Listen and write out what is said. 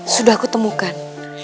sudah aku temukan